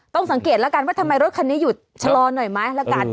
ต้องสังเกตแล้วกันว่าทำไมรถคันนี้หยุดชะลอหน่อยไหมละกัน